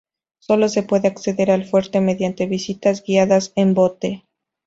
Solo se puede acceder al fuerte mediante visitas guiadas en bote.